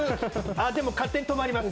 あでも勝手に止まります。